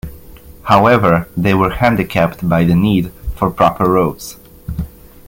However they were handicapped by the need for proper roads.